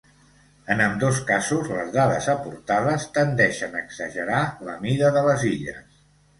En ambdós casos les dades aportades tendeixen a exagerar la mida de les illes.